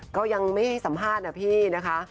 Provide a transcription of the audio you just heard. ก็ยังไม่ให้สัมภาษณ์นะพี่นะคะ